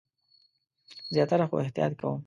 زیاتره، خو احتیاط کوم